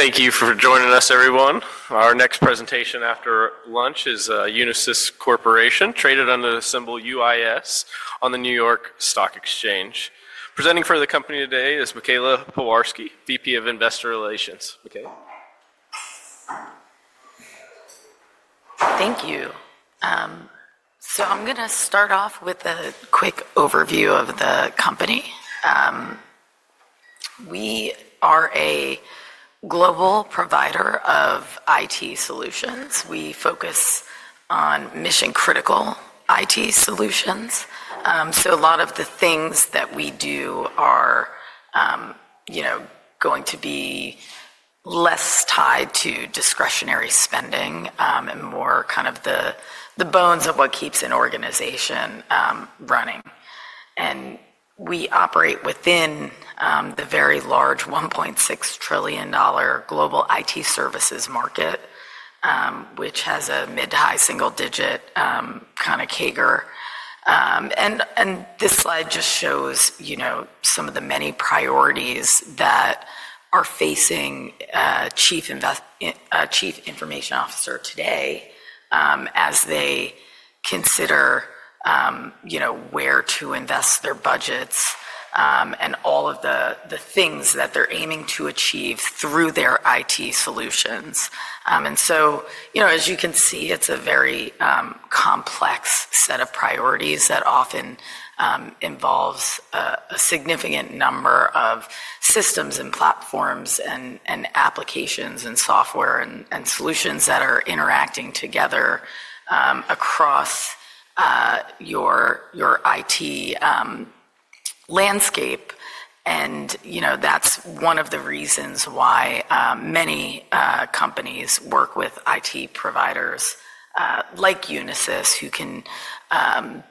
Thank you for joining us, everyone. Our next presentation after lunch is Unisys Corporation, traded under the symbol UIS on the New York Stock Exchange. Presenting for the company today is Michaela Pewarski, VP of Investor Relations. Michaela? Thank you. I'm going to start off with a quick overview of the company. We are a global provider of IT solutions. We focus on mission-critical IT solutions. A lot of the things that we do are going to be less tied to discretionary spending and more kind of the bones of what keeps an organization running. We operate within the very large $1.6 trillion global IT services market, which has a mid to high single-digit kind of CAGR. This slide just shows some of the many priorities that are facing Chief Information Officer today as they consider where to invest their budgets and all of the things that they're aiming to achieve through their IT solutions. As you can see, it's a very complex set of priorities that often involves a significant number of systems and platforms and applications and software and solutions that are interacting together across your IT landscape. That is one of the reasons why many companies work with IT providers like Unisys, who can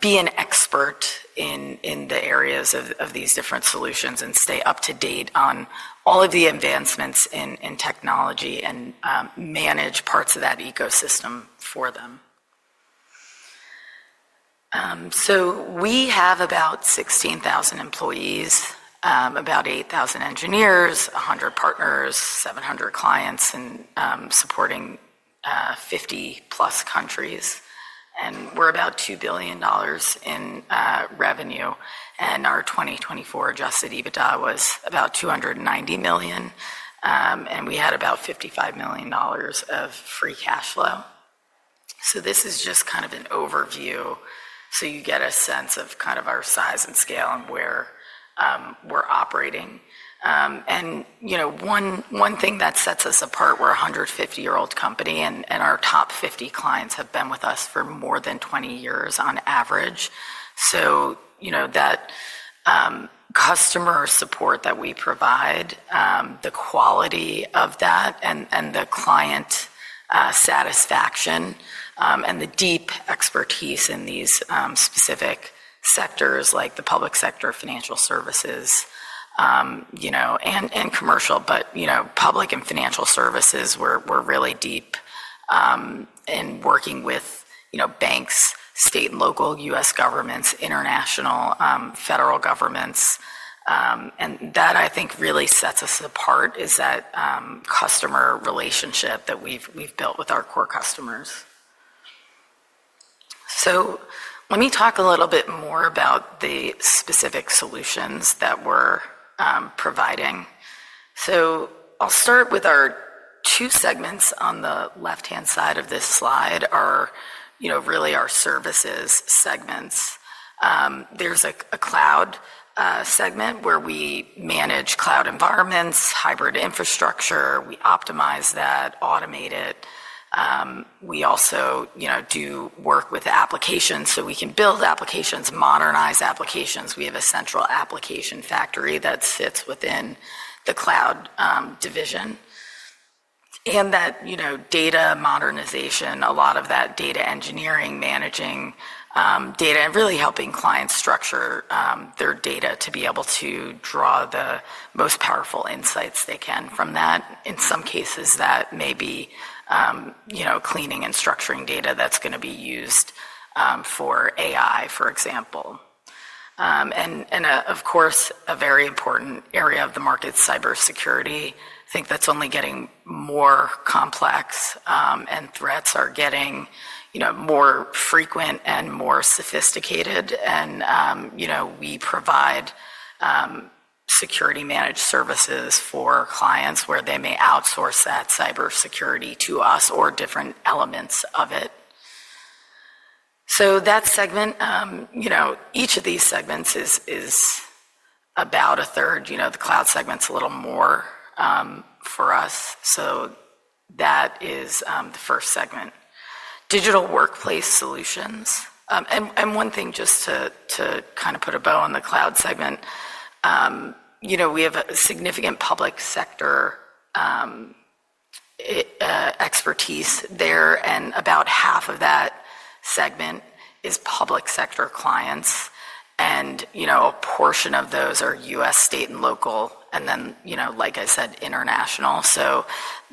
be an expert in the areas of these different solutions and stay up to date on all of the advancements in technology and manage parts of that ecosystem for them. We have about 16,000 employees, about 8,000 engineers, 100 partners, 700 clients, and supporting 50-plus countries. We are about $2 billion in revenue. Our 2024 adjusted EBITDA was about $290 million. We had about $55 million of free cash flow. This is just kind of an overview so you get a sense of kind of our size and scale and where we're operating. One thing that sets us apart, we're a 150-year-old company, and our top 50 clients have been with us for more than 20 years on average. That customer support that we provide, the quality of that, and the client satisfaction, and the deep expertise in these specific sectors like the public sector, financial services, and commercial, but public and financial services, we're really deep in working with banks, state and local U.S. governments, international, federal governments. That, I think, really sets us apart is that customer relationship that we've built with our core customers. Let me talk a little bit more about the specific solutions that we're providing. I'll start with our two segments on the left-hand side of this slide, really our services segments. There's a cloud segment where we manage cloud environments, hybrid infrastructure. We optimize that, automate it. We also do work with applications so we can build applications, modernize applications. We have a central application factory that sits within the cloud division. That data modernization, a lot of that data engineering, managing data, and really helping clients structure their data to be able to draw the most powerful insights they can from that. In some cases, that may be cleaning and structuring data that's going to be used for AI, for example. Of course, a very important area of the market, cybersecurity. I think that's only getting more complex, and threats are getting more frequent and more sophisticated. We provide security-managed services for clients where they may outsource that cybersecurity to us or different elements of it. That segment, each of these segments is about a third. The cloud segment is a little more for us. That is the first segment. Digital workplace solutions. One thing just to kind of put a bow on the cloud segment, we have significant public sector expertise there. About half of that segment is public sector clients. A portion of those are U.S., state, and local. Like I said, international.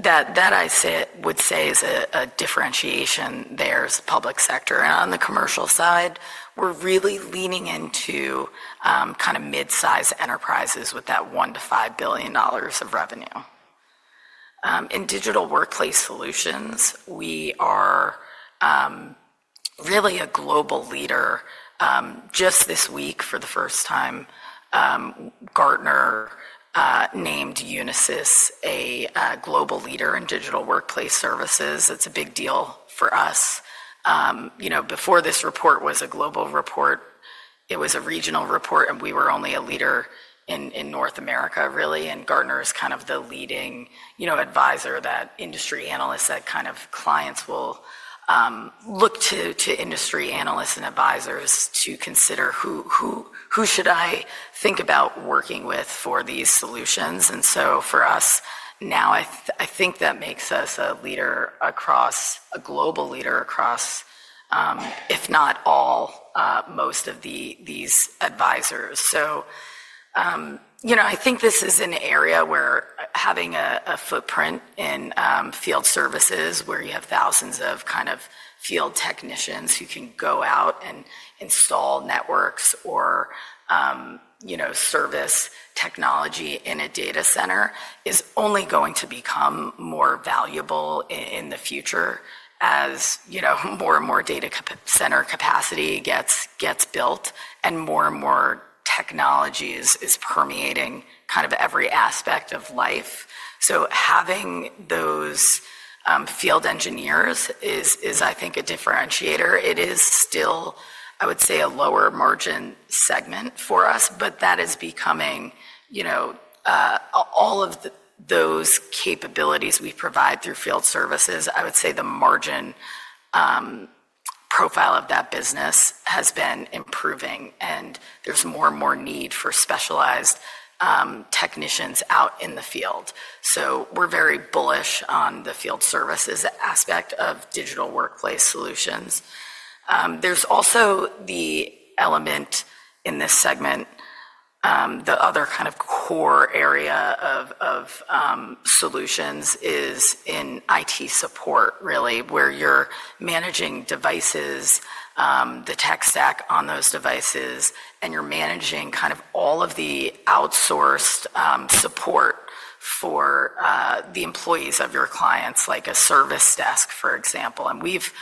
I would say a differentiation there is public sector. On the commercial side, we are really leaning into kind of mid-sized enterprises with that $1 billion-$5 billion of revenue. In digital workplace solutions, we are really a global leader. Just this week, for the first time, Gartner named Unisys a global leader in digital workplace services. It's a big deal for us. Before this report was a global report, it was a regional report, and we were only a leader in North America, really. Gartner is kind of the leading advisor, that industry analyst, that kind of clients will look to industry analysts and advisors to consider who should I think about working with for these solutions. For us now, I think that makes us a leader across a global leader, if not all, most of these advisors. I think this is an area where having a footprint in field services where you have thousands of kind of field technicians who can go out and install networks or service technology in a data center is only going to become more valuable in the future as more and more data center capacity gets built and more and more technology is permeating kind of every aspect of life. Having those field engineers is, I think, a differentiator. It is still, I would say, a lower margin segment for us, but that is becoming all of those capabilities we provide through field services. I would say the margin profile of that business has been improving. There is more and more need for specialized technicians out in the field. We are very bullish on the field services aspect of digital workplace solutions. is also the element in this segment, the other kind of core area of solutions is in IT support, really, where you are managing devices, the tech stack on those devices, and you are managing kind of all of the outsourced support for the employees of your clients, like a service desk, for example. We have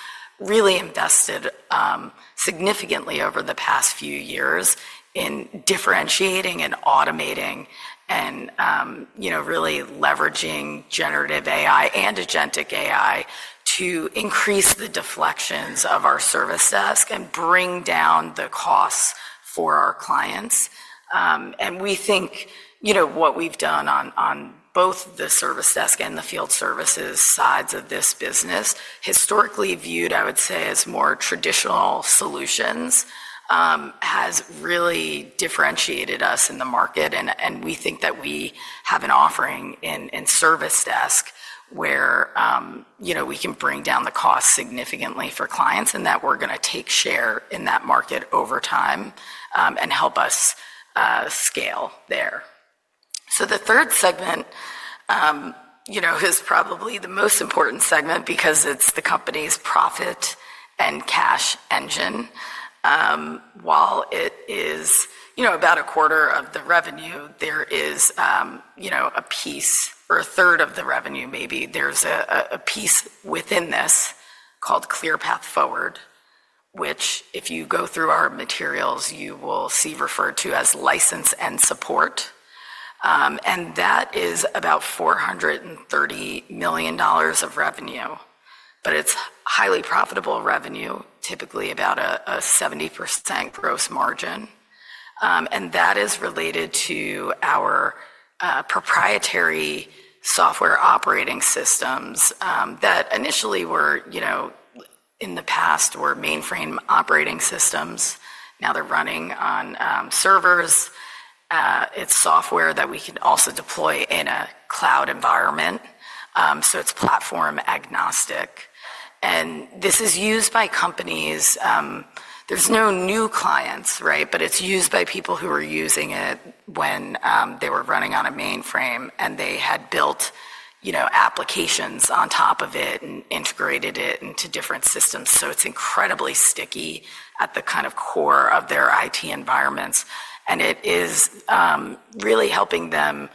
really invested significantly over the past few years in differentiating and automating and really leveraging generative AI and agentic AI to increase the deflections of our service desk and bring down the costs for our clients. We think what we have done on both the service desk and the field services sides of this business, historically viewed, I would say, as more traditional solutions, has really differentiated us in the market. We think that we have an offering in service desk where we can bring down the cost significantly for clients and that we're going to take share in that market over time and help us scale there. The third segment is probably the most important segment because it's the company's profit and cash engine. While it is about a quarter of the revenue, there is a piece or a third of the revenue, maybe. There's a piece within this called ClearPath Forward, which if you go through our materials, you will see referred to as License and Support. That is about $430 million of revenue. It's highly profitable revenue, typically about a 70% gross margin. That is related to our proprietary software operating systems that initially were, in the past, were mainframe operating systems. Now they're running on servers. It's software that we can also deploy in a cloud environment. It’s platform agnostic. This is used by companies. There's no new clients, right? It's used by people who were using it when they were running on a mainframe and they had built applications on top of it and integrated it into different systems. It’s incredibly sticky at the kind of core of their IT environments. It is really helping them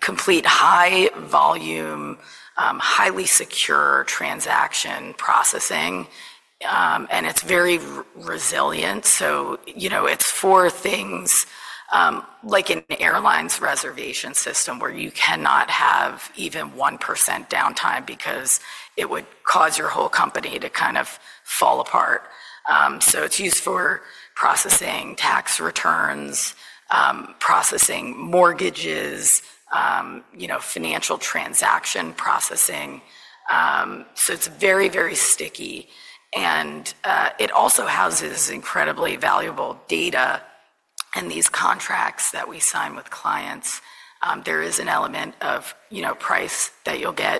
complete high-volume, highly secure transaction processing. It is very resilient. It’s for things like an airline's reservation system where you cannot have even 1% downtime because it would cause your whole company to kind of fall apart. It’s used for processing tax returns, processing mortgages, financial transaction processing. It’s very, very sticky. It also houses incredibly valuable data. These contracts that we sign with clients, there is an element of price that you'll get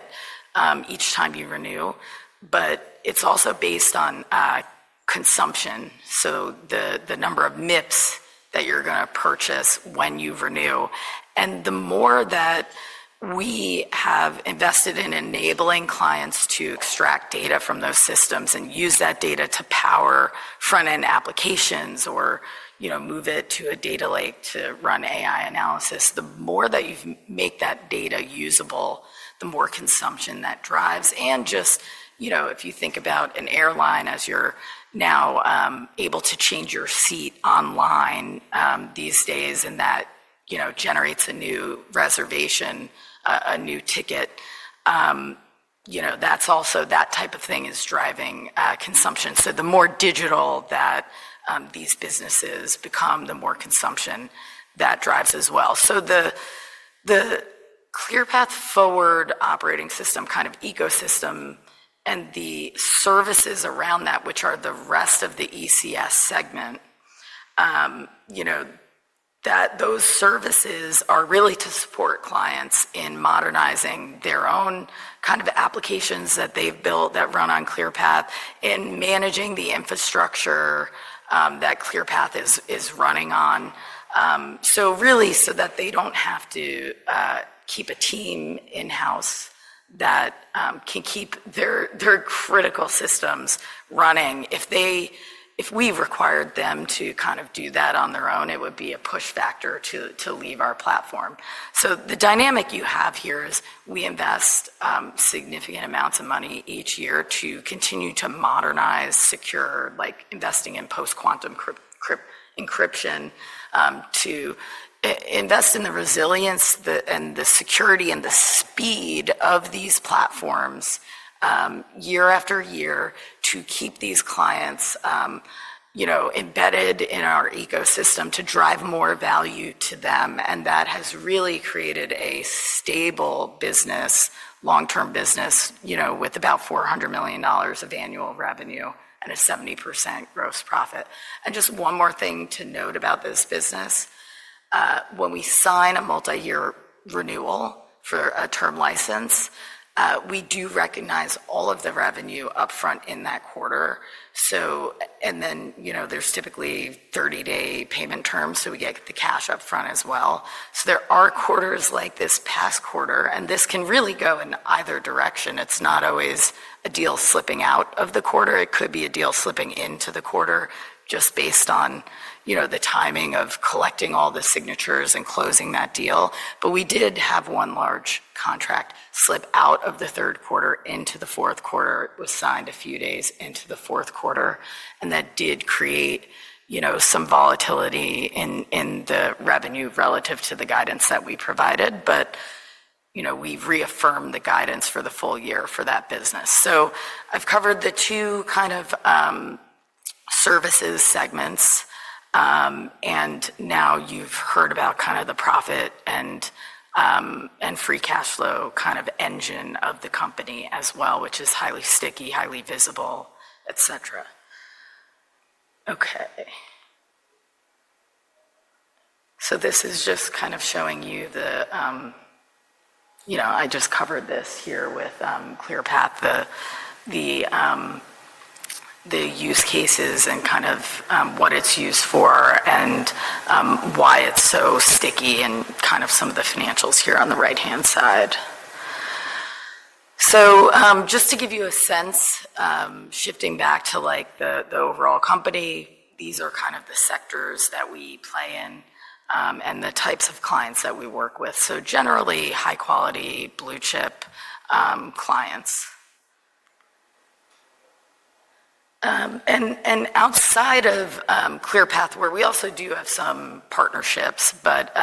each time you renew. It is also based on consumption. The number of MIPS that you're going to purchase when you renew. The more that we have invested in enabling clients to extract data from those systems and use that data to power front-end applications or move it to a data lake to run AI analysis, the more that you make that data usable, the more consumption that drives. If you think about an airline as you're now able to change your seat online these days and that generates a new reservation, a new ticket, that type of thing is driving consumption. The more digital that these businesses become, the more consumption that drives as well. The ClearPath Forward operating system kind of ecosystem and the services around that, which are the rest of the ECS segment, those services are really to support clients in modernizing their own kind of applications that they've built that run on ClearPath and managing the infrastructure that ClearPath is running on. Really, so that they don't have to keep a team in-house that can keep their critical systems running. If we required them to kind of do that on their own, it would be a push factor to leave our platform. The dynamic you have here is we invest significant amounts of money each year to continue to modernize, secure, like investing in post-quantum encryption, to invest in the resilience and the security and the speed of these platforms year after year to keep these clients embedded in our ecosystem to drive more value to them. That has really created a stable business, long-term business with about $400 million of annual revenue and a 70% gross profit. Just one more thing to note about this business. When we sign a multi-year renewal for a term license, we do recognize all of the revenue upfront in that quarter. There are typically 30-day payment terms, so we get the cash upfront as well. There are quarters like this past quarter, and this can really go in either direction. It is not always a deal slipping out of the quarter. It could be a deal slipping into the quarter just based on the timing of collecting all the signatures and closing that deal. We did have one large contract slip out of the third quarter into the fourth quarter. It was signed a few days into the fourth quarter. That did create some volatility in the revenue relative to the guidance that we provided. We have reaffirmed the guidance for the full year for that business. I have covered the two kind of services segments. You have heard about the profit and free cash flow engine of the company as well, which is highly sticky, highly visible, etc. This is just showing you the I just covered this here with ClearPath, the use cases and what it is used for and why it is so sticky and some of the financials here on the right-hand side. Just to give you a sense, shifting back to the overall company, these are the sectors that we play in and the types of clients that we work with. Generally, high-quality blue chip clients. Outside of ClearPath Forward, where we also do have some partnerships, but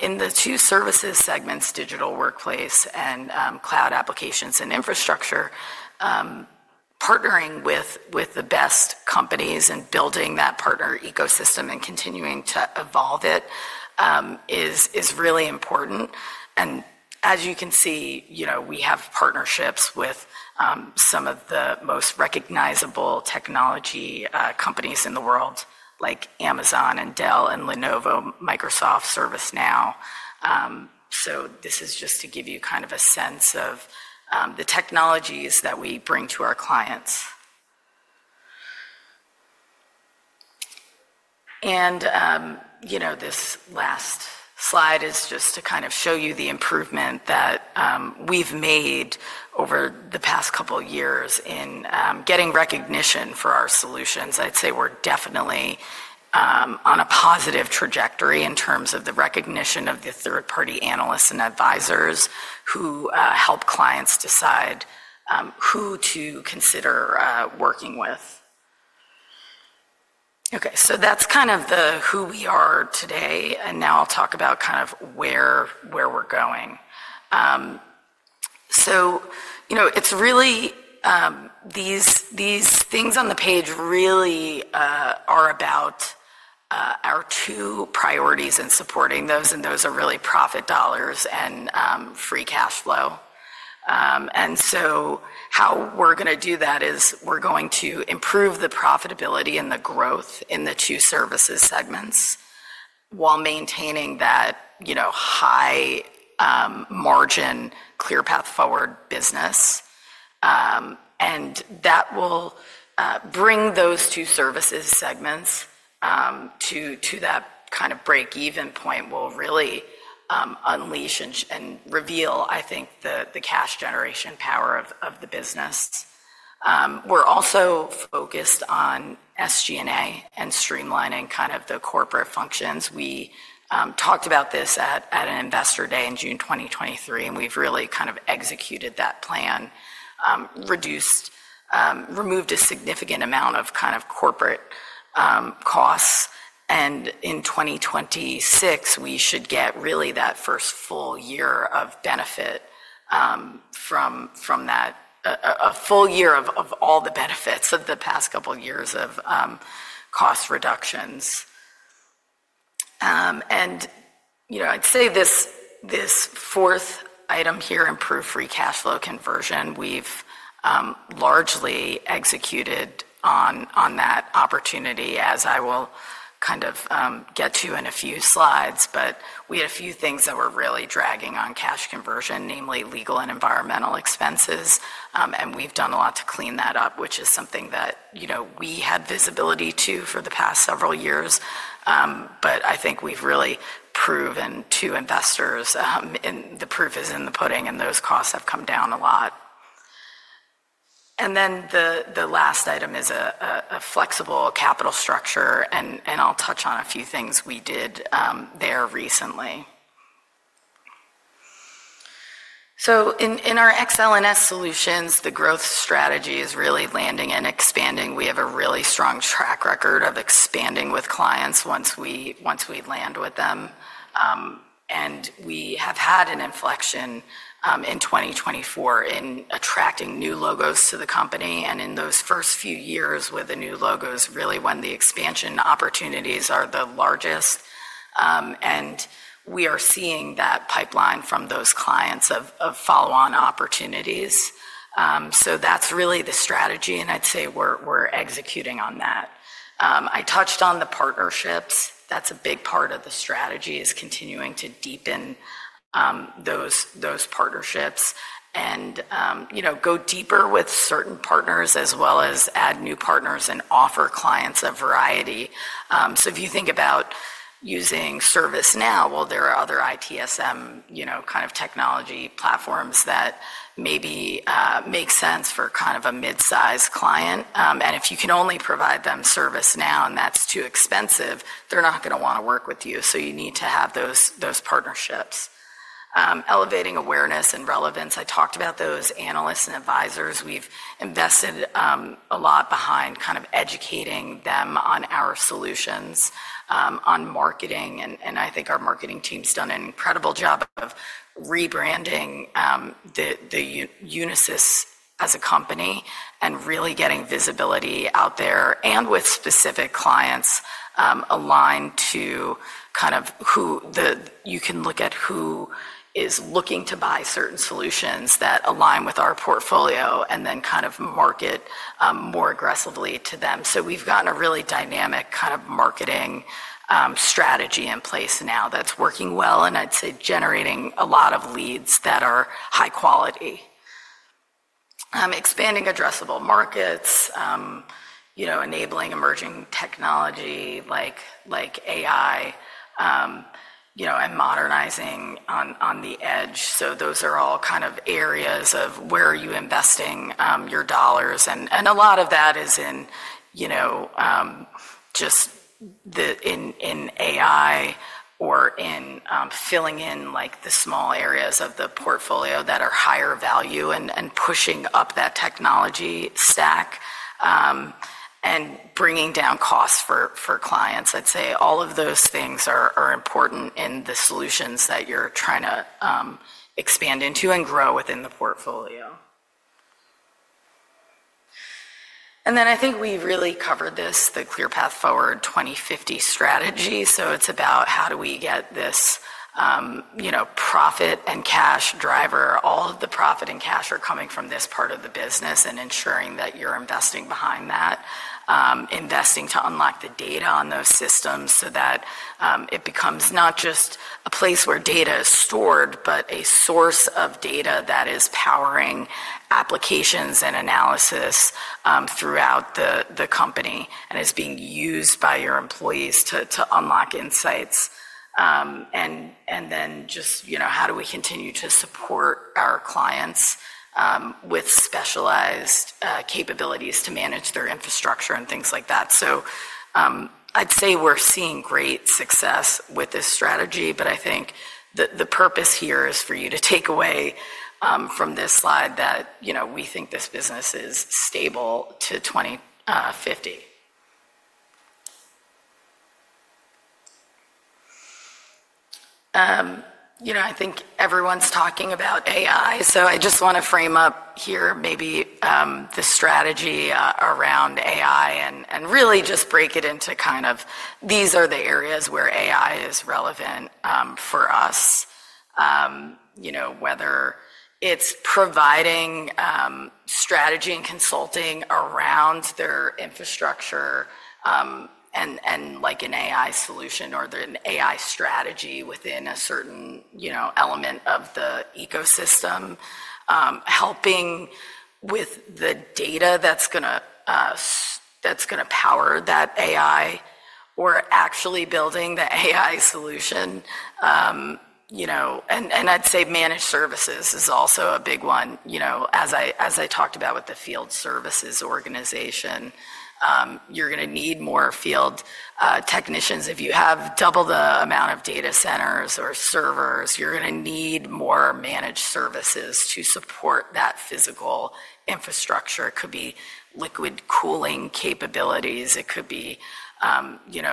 in the two services segments, digital workplace and cloud applications and infrastructure, partnering with the best companies and building that partner ecosystem and continuing to evolve it is really important. As you can see, we have partnerships with some of the most recognizable technology companies in the world, like Amazon and Dell and Lenovo, Microsoft, ServiceNow. This is just to give you kind of a sense of the technologies that we bring to our clients. This last slide is just to kind of show you the improvement that we've made over the past couple of years in getting recognition for our solutions. I'd say we're definitely on a positive trajectory in terms of the recognition of the third-party analysts and advisors who help clients decide who to consider working with. Okay. That's kind of the who we are today. Now I'll talk about kind of where we're going. It's really these things on the page really are about our two priorities in supporting those, and those are really profit dollars and free cash flow. How we're going to do that is we're going to improve the profitability and the growth in the two services segments while maintaining that high-margin ClearPath Forward business. That will bring those two services segments to that kind of break-even point and will really unleash and reveal, I think, the cash generation power of the business. We're also focused on SG&A and streamlining kind of the corporate functions. We talked about this at an investor day in June 2023, and we've really kind of executed that plan, removed a significant amount of kind of corporate costs. In 2026, we should get really that first full year of benefit from that, a full year of all the benefits of the past couple of years of cost reductions. I'd say this fourth item here, improve free cash flow conversion, we've largely executed on that opportunity, as I will kind of get to in a few slides. We had a few things that were really dragging on cash conversion, namely legal and environmental expenses. We've done a lot to clean that up, which is something that we had visibility to for the past several years. I think we've really proven to investors, and the proof is in the pudding, and those costs have come down a lot. The last item is a flexible capital structure. I'll touch on a few things we did there recently. In our XL&S solutions, the growth strategy is really landing and expanding. We have a really strong track record of expanding with clients once we land with them. We have had an inflection in 2024 in attracting new logos to the company. In those first few years with the new logos, really when the expansion opportunities are the largest. We are seeing that pipeline from those clients of follow-on opportunities. That is really the strategy. I would say we are executing on that. I touched on the partnerships. That is a big part of the strategy, continuing to deepen those partnerships and go deeper with certain partners as well as add new partners and offer clients a variety. If you think about using ServiceNow, there are other ITSM kind of technology platforms that maybe make sense for kind of a mid-size client. If you can only provide them ServiceNow and that's too expensive, they're not going to want to work with you. You need to have those partnerships. Elevating awareness and relevance. I talked about those analysts and advisors. We've invested a lot behind kind of educating them on our solutions, on marketing. I think our marketing team's done an incredible job of rebranding Unisys as a company and really getting visibility out there and with specific clients aligned to kind of who you can look at who is looking to buy certain solutions that align with our portfolio and then kind of market more aggressively to them. We've gotten a really dynamic kind of marketing strategy in place now that's working well and I'd say generating a lot of leads that are high quality. Expanding addressable markets, enabling emerging technology like AI, and modernizing on the edge. Those are all kind of areas of where you're investing your dollars. A lot of that is in just in AI or in filling in the small areas of the portfolio that are higher value and pushing up that technology stack and bringing down costs for clients. I'd say all of those things are important in the solutions that you're trying to expand into and grow within the portfolio. I think we really covered this, the ClearPath Forward 2050 strategy. It is about how do we get this profit and cash driver. All of the profit and cash are coming from this part of the business and ensuring that you're investing behind that, investing to unlock the data on those systems so that it becomes not just a place where data is stored, but a source of data that is powering applications and analysis throughout the company and is being used by your employees to unlock insights. How do we continue to support our clients with specialized capabilities to manage their infrastructure and things like that? I'd say we're seeing great success with this strategy, but I think the purpose here is for you to take away from this slide that we think this business is stable to 2050. I think everyone's talking about AI. I just want to frame up here maybe the strategy around AI and really just break it into kind of these are the areas where AI is relevant for us, whether it's providing strategy and consulting around their infrastructure and an AI solution or an AI strategy within a certain element of the ecosystem, helping with the data that's going to power that AI or actually building the AI solution. I'd say managed services is also a big one. As I talked about with the field services organization, you're going to need more field technicians. If you have double the amount of data centers or servers, you're going to need more managed services to support that physical infrastructure. It could be liquid cooling capabilities. It could be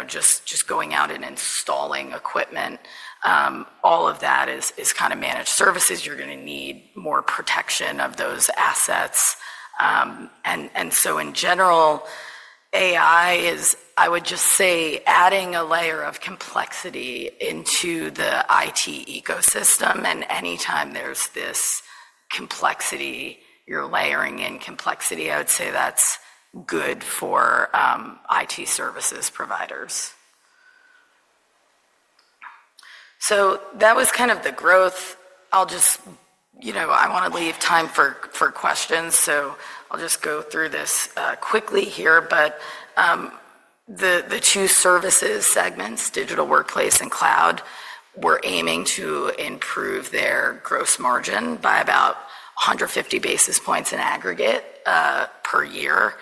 just going out and installing equipment. All of that is kind of managed services. You're going to need more protection of those assets. In general, AI is, I would just say, adding a layer of complexity into the IT ecosystem. Anytime there's this complexity, you're layering in complexity. I would say that's good for IT services providers. That was kind of the growth. I want to leave time for questions. I'll just go through this quickly here. The two services segments, digital workplace and cloud, were aiming to improve their gross margin by about 150 basis points in aggregate per year.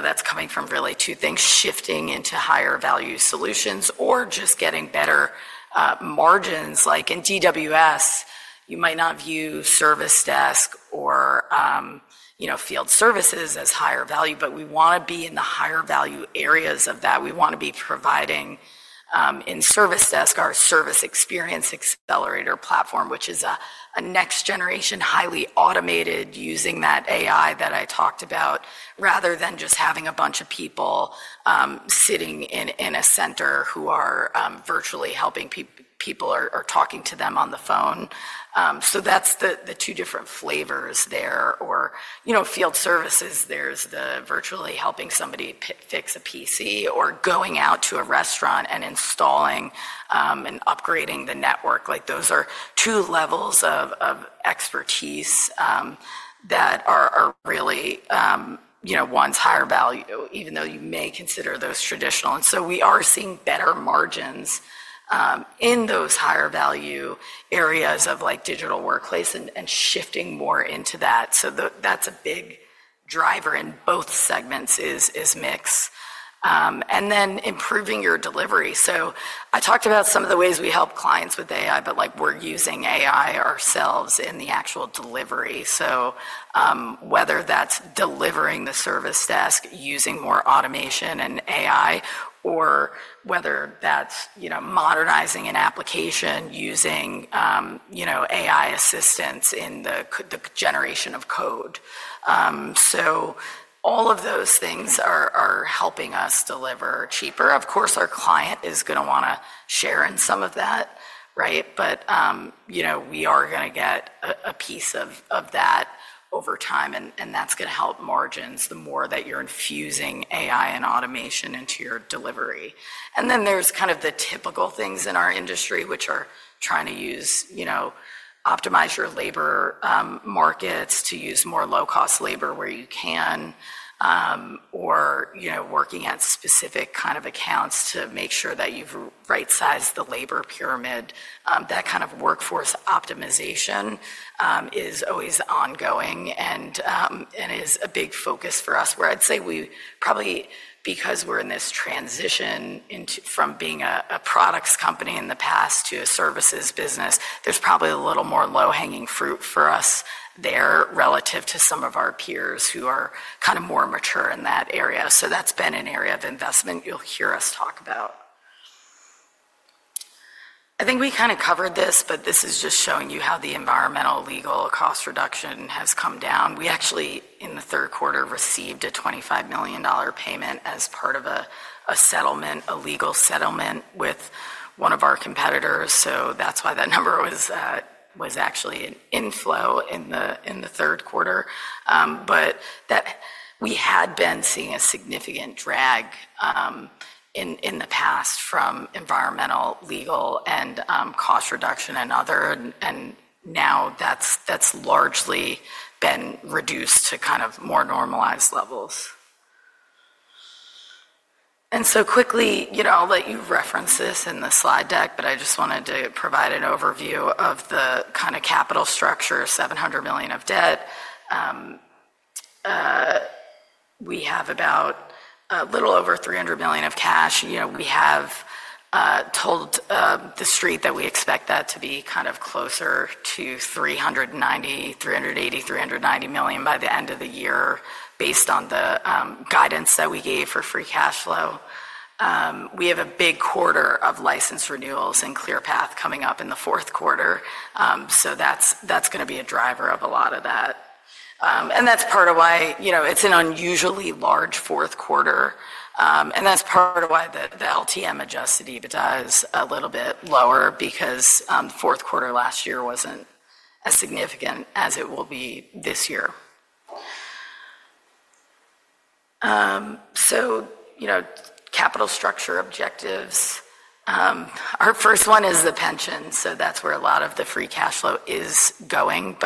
That's coming from really two things: shifting into higher value solutions or just getting better margins. Like in DWS, you might not view service desk or field services as higher value, but we want to be in the higher value areas of that. We want to be providing in service desk our Service Experience Accelerator Platform, which is a next-generation, highly automated, using that AI that I talked about, rather than just having a bunch of people sitting in a center who are virtually helping people or talking to them on the phone. That is the two different flavors there. For field services, there is the virtually helping somebody fix a PC or going out to a restaurant and installing and upgrading the network. Those are two levels of expertise that are really one's higher value, even though you may consider those traditional. We are seeing better margins in those higher value areas of digital workplace and shifting more into that. That is a big driver in both segments is mix. Then improving your delivery. I talked about some of the ways we help clients with AI, but we're using AI ourselves in the actual delivery. Whether that's delivering the service desk using more automation and AI, or whether that's modernizing an application using AI assistance in the generation of code, all of those things are helping us deliver cheaper. Of course, our client is going to want to share in some of that, right? We are going to get a piece of that over time, and that's going to help margins the more that you're infusing AI and automation into your delivery. Then there's kind of the typical things in our industry, which are trying to optimize your labor markets to use more low-cost labor where you can, or working at specific kind of accounts to make sure that you've right-sized the labor pyramid. That kind of workforce optimization is always ongoing and is a big focus for us, where I'd say we probably, because we're in this transition from being a products company in the past to a services business, there's probably a little more low-hanging fruit for us there relative to some of our peers who are kind of more mature in that area. That has been an area of investment you'll hear us talk about. I think we kind of covered this, but this is just showing you how the environmental, legal, cost reduction has come down. We actually, in the third quarter, received a $25 million payment as part of a legal settlement with one of our competitors. That is why that number was actually in flow in the third quarter. We had been seeing a significant drag in the past from environmental, legal, and cost reduction and other. Now that's largely been reduced to kind of more normalized levels. Quickly, I'll let you reference this in the slide deck, but I just wanted to provide an overview of the kind of capital structure: $700 million of debt. We have about a little over $300 million of cash. We have told the street that we expect that to be kind of closer to $380 million-$390 million by the end of the year based on the guidance that we gave for free cash flow. We have a big quarter of license renewals and ClearPath coming up in the fourth quarter. That's going to be a driver of a lot of that. That's part of why it's an unusually large fourth quarter. That is part of why the LTM adjusted EBITDA is a little bit lower because the fourth quarter last year was not as significant as it will be this year. Capital structure objectives. Our first one is the pension. That is where a lot of the free cash flow is going.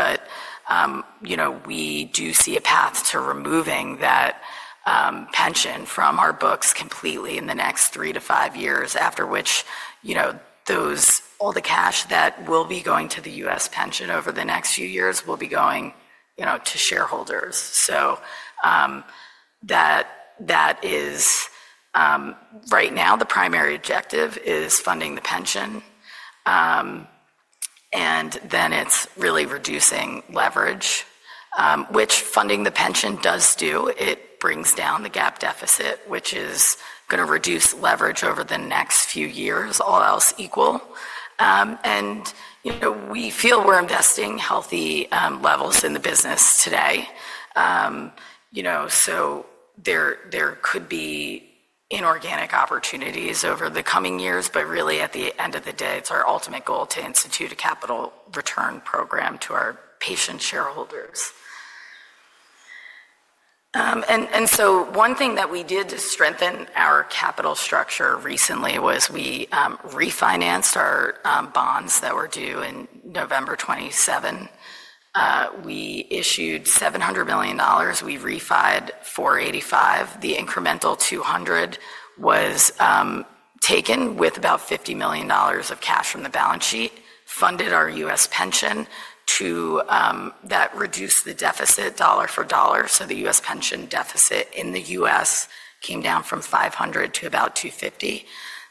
We do see a path to removing that pension from our books completely in the next three to five years, after which all the cash that will be going to the U.S. pension over the next few years will be going to shareholders. Right now, the primary objective is funding the pension. It is really reducing leverage, which funding the pension does do. It brings down the gap deficit, which is going to reduce leverage over the next few years, all else equal. We feel we are investing healthy levels in the business today. There could be inorganic opportunities over the coming years, but really at the end of the day, it's our ultimate goal to institute a capital return program to our patient shareholders. One thing that we did to strengthen our capital structure recently was we refinanced our bonds that were due in November 2027. We issued $700 million. We refied $485 million. The incremental $200 million was taken with about $50 million of cash from the balance sheet, funded our U.S. pension to that, reduced the deficit dollar for dollar. The U.S. pension deficit in the U.S. came down from $500 million to about $250 million.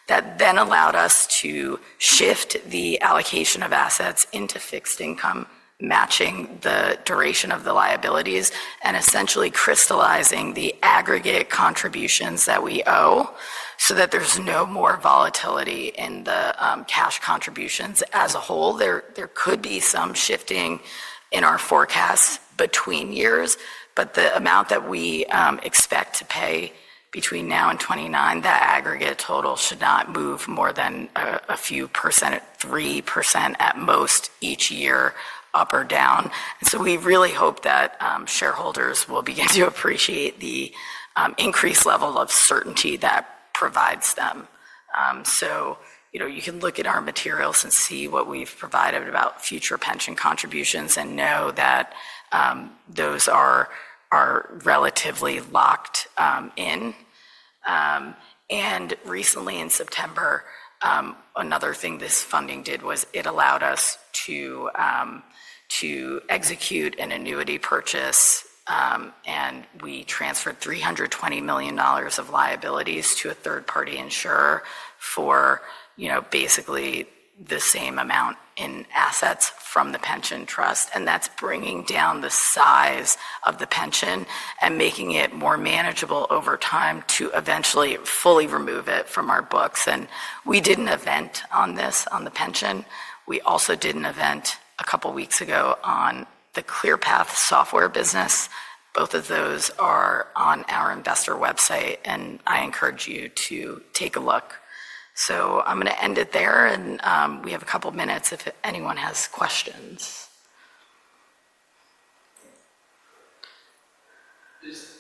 That then allowed us to shift the allocation of assets into fixed income, matching the duration of the liabilities and essentially crystallizing the aggregate contributions that we owe so that there's no more volatility in the cash contributions as a whole. There could be some shifting in our forecasts between years, but the amount that we expect to pay between now and 2029, that aggregate total should not move more than a few percent, 3% at most each year, up or down. We really hope that shareholders will begin to appreciate the increased level of certainty that provides them. You can look at our materials and see what we have provided about future pension contributions and know that those are relatively locked in. Recently, in September, another thing this funding did was it allowed us to execute an annuity purchase, and we transferred $320 million of liabilities to a third-party insurer for basically the same amount in assets from the pension trust. That is bringing down the size of the pension and making it more manageable over time to eventually fully remove it from our books. We did an event on this on the pension. We also did an event a couple of weeks ago on the ClearPath Forward software business. Both of those are on our investor website, and I encourage you to take a look. I am going to end it there, and we have a couple of minutes if anyone has questions. Is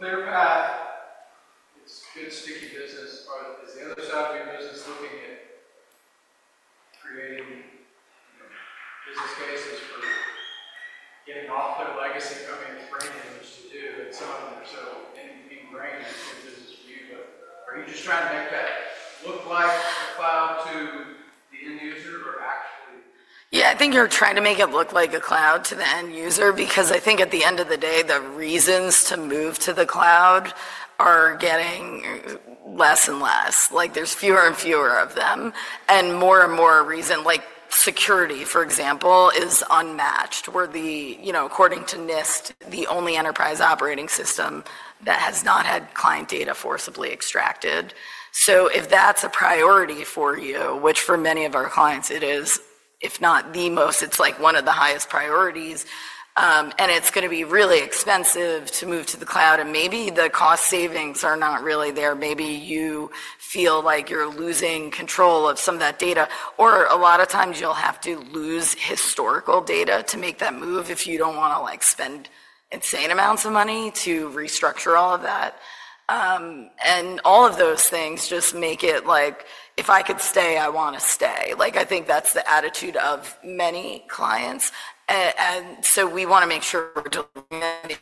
ClearPath Forward its good sticky business? Is the other side of your business looking at creating business cases for getting off their legacy? I mean, framing which to do, and some of them are so ingrained in the business view. Are you just trying to make that look like a cloud to the end user, or actually? Yeah, I think you're trying to make it look like a cloud to the end user because I think at the end of the day, the reasons to move to the cloud are getting less and less. There's fewer and fewer of them, and more and more reason, like security, for example, is unmatched, according to NIST, the only enterprise operating system that has not had client data forcibly extracted. If that's a priority for you, which for many of our clients it is, if not the most, it's like one of the highest priorities. It's going to be really expensive to move to the cloud, and maybe the cost savings are not really there. Maybe you feel like you're losing control of some of that data, or a lot of times you'll have to lose historical data to make that move if you don't want to spend insane amounts of money to restructure all of that. All of those things just make it like, "If I could stay, I want to stay." I think that's the attitude of many clients. We want to make sure we're delivering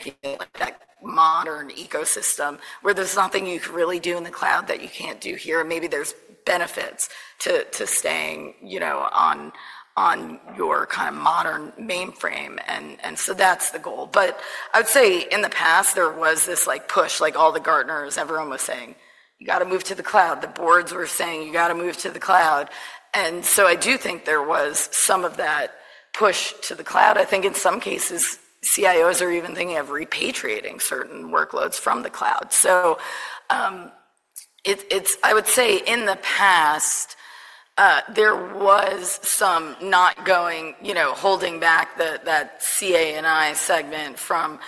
that modern ecosystem where there's nothing you can really do in the cloud that you can't do here. Maybe there's benefits to staying on your kind of modern mainframe. That's the goal. I would say in the past, there was this push, like all the Gartners, everyone was saying, "You got to move to the cloud." The boards were saying, "You got to move to the cloud." I do think there was some of that push to the cloud. I think in some cases, CIOs are even thinking of repatriating certain workloads from the cloud. I would say in the past, there was some not going holding back that CA and I segment from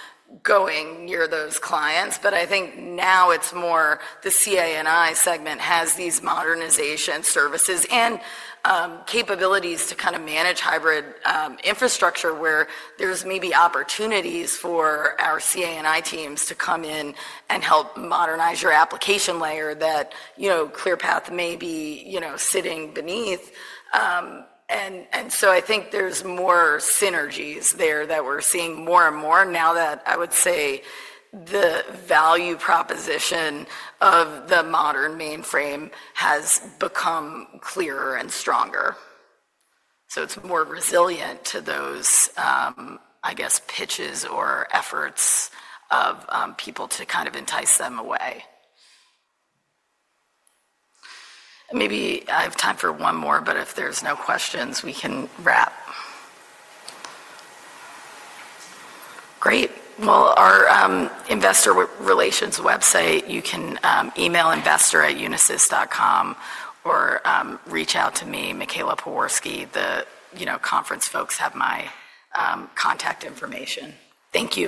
going near those clients. I think now it's more the CA and I segment has these modernization services and capabilities to kind of manage hybrid infrastructure where there's maybe opportunities for our CA and I teams to come in and help modernize your application layer that ClearPath may be sitting beneath. I think there's more synergies there that we're seeing more and more now that I would say the value proposition of the modern mainframe has become clearer and stronger. It is more resilient to those, I guess, pitches or efforts of people to kind of entice them away. Maybe I have time for one more, but if there's no questions, we can wrap. Great. Our investor relations website, you can email investor@unisys.com or reach out to me, Michaela Pewarski. The conference folks have my contact information. Thank you.